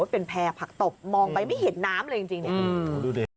เป็นแพร่ผักตบมองไปไม่เห็นน้ำเลยจริงเนี่ย